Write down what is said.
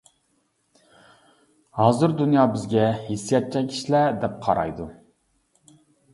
ھازىر دۇنيا بىزگە «ھېسسىياتچان كىشىلەر» ، دەپ قارايدۇ.